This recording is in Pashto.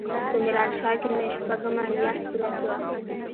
په ميرانشاه کښې مې شپږمه مياشت پوره سوه.